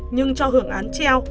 nhưng cho hưởng án treo